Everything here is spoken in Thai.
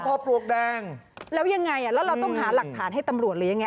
พอปลวกแดงแล้วยังไงอ่ะแล้วเราต้องหาหลักฐานให้ตำรวจหรือยังไง